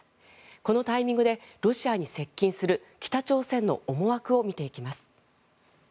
このタイミングでロシアに接近する北朝鮮の思惑を見ていきます。